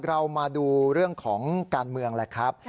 เรามาดูเรื่องของการเมืองแหละครับ